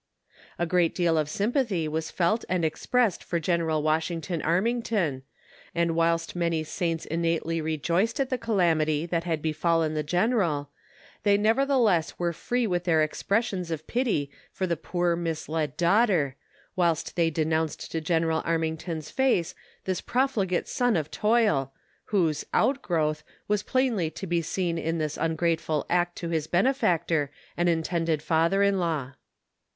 • A great deal of sympathy was felt and expressed for General Washington Armington, and whilst many saints innately rejoiced at the calamity that had befallen the general, they nevertheless were free with their expressions of pity for the poor misled daughter, whilst they denounced to General Armington 's face this profligate son of toil, whose "out growth" was plainly to be seen in this ungrateful act to his benefactor and intended father in law.